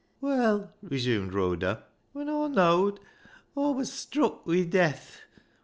" Well," resumed Rhoda, " when Aw know'd Aw wur struck wi' death.